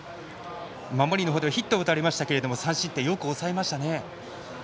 守りのほうではヒットは打たれましたけど３失点、よく抑えましたね。